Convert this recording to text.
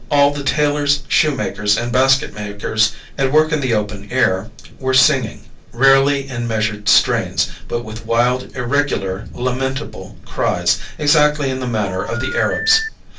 All the tailors, shoemakers, and basket makers, at work in the open air, were singing, rarely in measured strains, but with wild, irregular, lamentable cries, exactly in the manner of the Arabs.